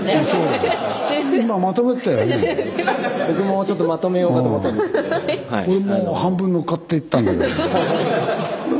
僕もちょっとまとめようかと思ったんですけど。